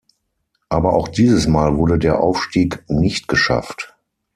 Aber auch dieses Mal wurde der Aufstieg nicht geschafft.